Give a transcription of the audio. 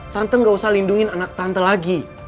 tante gak usah lindungi anak tante lagi